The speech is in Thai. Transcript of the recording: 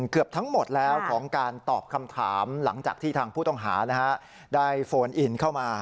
เกือบทั้งหมดแล้วของการตอบคำถามหลังจากที่ทางผู้ต้องหาได้โฟนอินเข้ามา